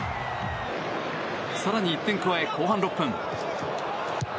更に１点加え、後半６分。